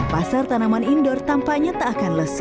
pasar tanaman indoor tampaknya tak akan lesu